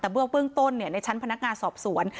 เบื้อกเบื้องต้นในชั้นภาพธ์สวน